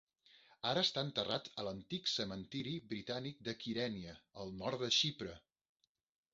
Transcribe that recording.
Ara està enterrat a l'antic cementiri britànic de Kyrenia, al nord de Xipre.